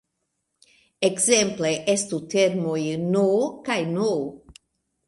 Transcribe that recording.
Ekzemple estu termoj "n" kaj "n".